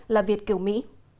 là việt kiểu mỹ